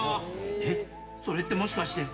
え、それってもしかして。